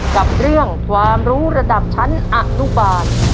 กับเรื่องความรู้ระดับชั้นอนุบาล